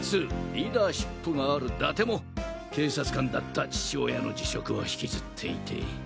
リーダーシップがある伊達も警察官だった父親の辞職を引きずっていて。